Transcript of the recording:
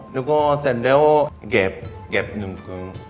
แล้วก็เสร็จแล้วเก็บ๑ถุง